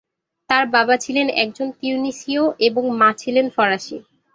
তার বাবা ছিলেন একজন তিউনিসীয় এবং মা ছিলেন ফরাসি।